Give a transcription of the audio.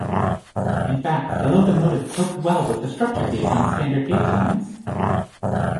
In fact, the locomotive coped well with the structure gauge on standard gauge lines.